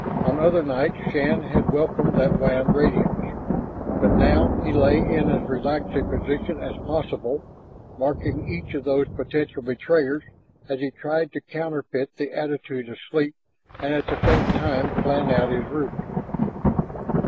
On other nights Shann had welcomed that wan radiance, but now he lay in as relaxed a position as possible, marking each of those potential betrayers as he tried to counterfeit the attitude of sleep and at the same time plan out his route.